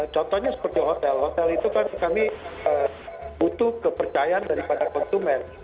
contohnya seperti hotel hotel itu kan kami butuh kepercayaan daripada konsumen